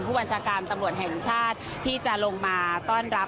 ผู้บัญชาการตำรวจแห่งชาติที่จะลงมาต้อนรับ